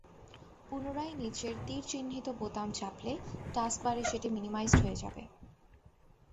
পুনরায় নিচের তির চিহ্নিত বোতাম চাপলে টাস্কবারে সেটি মিনিমাইজড হয়ে যাবে।